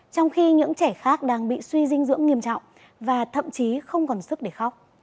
trong khi những trẻ khác đang bị suy dinh dưỡng nghiêm trọng và thậm chí không còn sức để khóc